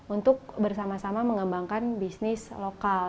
untuk bersama sama mengembangkan bisnis lokal